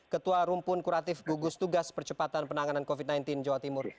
ketua rumpun kuratif gugus tugas percepatan penanganan covid sembilan belas jawa timur